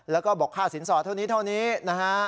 แล้วก็บอกค่าสินสอดเท่านี้นะฮะ